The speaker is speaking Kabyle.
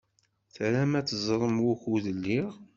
Tram ad teẓṛem wukud lliɣ?